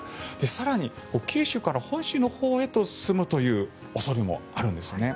更に九州から本州のほうへと進むという恐れもあるんです。